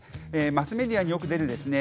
マスメディアによく出るですね